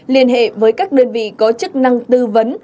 liên hệ với các đơn vị có chức năng tư vấn